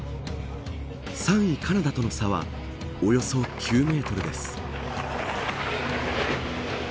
３位カナダとの差はおよそ９メートルです。